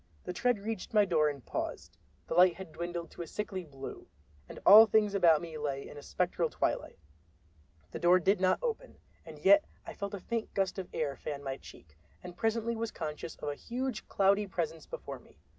The tread reached my very door and paused—the light had dwindled to a sickly blue, and all things about me lay in a spectral twilight. The door did not open, and yet I felt a faint gust of air fan my cheek, and presently was conscious of a huge, cloudy presence before me.